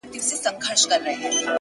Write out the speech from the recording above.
د رازونو قلندر زما ډېر يار دى.!